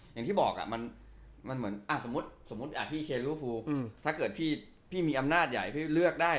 อย่างที่บอกมันเหมือนสมมุติพี่เชนลูฟูถ้าเกิดพี่มีอำนาจใหญ่พี่เลือกได้